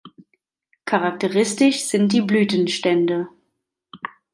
Charakteristisch sind die Blütenstände.